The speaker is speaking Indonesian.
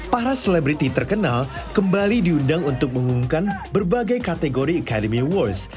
para selebriti terkenal kembali diundang untuk mengumumkan berbagai kategori academy wars